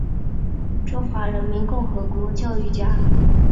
中华人民共和国教育家。